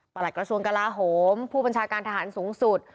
หลักกระทรวงกลาโหมผู้บัญชาการทหารสูงสุด